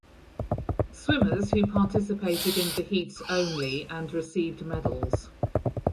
Swimmers who participated in the heats only and received medals.